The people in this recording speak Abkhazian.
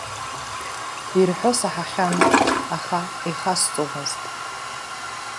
Ирҳәо саҳахьан, аха ихасҵомызт.